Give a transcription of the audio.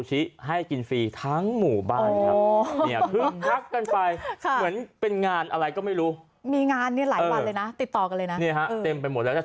มีงานเนี่ยหลายวันเลยนะติดต่อกันเลยนะเนี่ยฮะเต็มไปหมดแล้ว